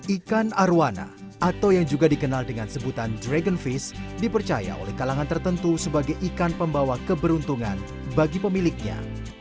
ikan arowana atau yang juga dikenal dengan sebutan dragonfish dipercaya oleh kalangan tertentu sebagai ikan pembawa keberuntungan bagi pemiliknya